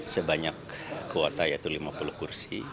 sebanyak kuota yaitu lima puluh kursi